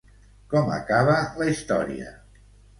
Com acaba la història?